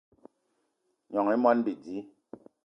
Gnong i moni bidi